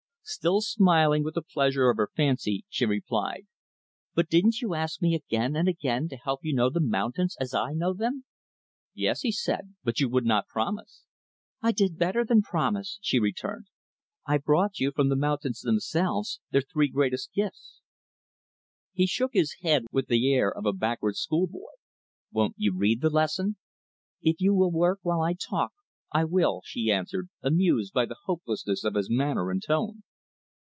Still smiling with the pleasure of her fancy, she replied, "But didn't you ask me again and again to help you to know the mountains as I know them?" "Yes," he said, "but you would not promise." "I did better than promise" she returned "I brought you, from the mountains themselves, their three greatest gifts." He shook his head, with the air of a backward schoolboy "Won't you read the lesson?" "If you will work while I talk, I will," she answered amused by the hopelessness of his manner and tone.